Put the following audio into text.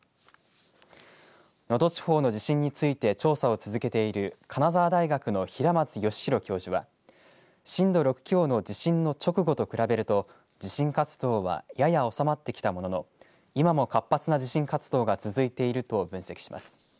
能登地方の地震について調査を続けている金沢大学の平松良浩教授は震度６強の地震の直後と比べると地震活動はやや収まってきたものの今も活発な地震活動が続いていると分析します。